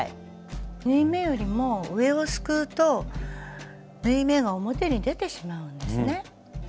縫い目よりも上をすくうと縫い目が表に出てしまうんですね。